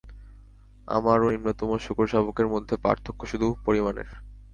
আমার ও নিম্নতম শূকরশাবকের মধ্যে পার্থক্য শুধু পরিমাণের।